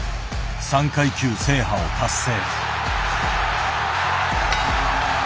３階級制覇を達成。